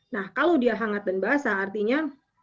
nah kalau dia hangat dan basah artinya